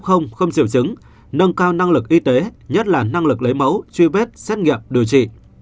không diều chứng nâng cao năng lực y tế nhất là năng lực lấy mẫu truy vết xét nghiệm điều trị